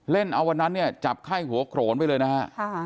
เล่นเอาวันนั้นเนี่ยจับไข้หัวโขนไปเลยนะฮะ